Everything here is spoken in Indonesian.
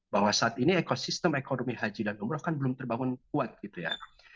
bahwa saat ini ekosistem ekonomi haji dan umroh kan belum terbangun kuat gitu ya